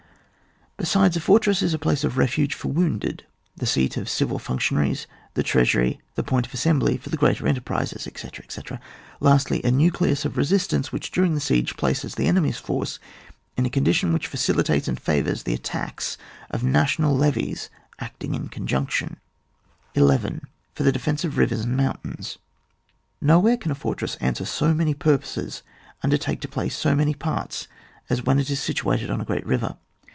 Besides, a fortress is a place of refuge for wounded, the seat of the civil func tionaries, the treasury, the point of as sembly for the greater enterprises, etc., etc. ; lastly, a nucleus of resistance which during the siege places the enemy's force in a condition which facilitates and favours the attacks of national levies acting in conjunction. 11. For the defence of rivers and moun* tains. Nowhere can a fortress answer so many purposes, undertake to play so many parts, as when it is situated on a great river.